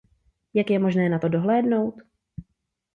Jak je možné na to dohlédnout?